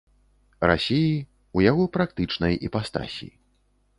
Расіі, у яго практычнай іпастасі.